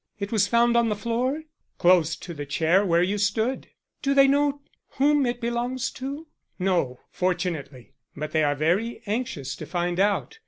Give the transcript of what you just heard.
"It was found on the floor?" "Close to the chair where you stood." "Do they know whom it belongs to?" "No, fortunately. But they are very anxious to find out.